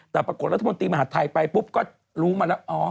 แต่ปรากฏรัฐมนตรีมหาดไทยไปปุ๊บก็รู้มาแล้ว